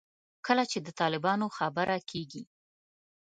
کله چې د طالبانو خبره کېږي.